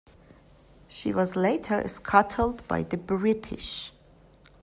She was later scuttled by the British.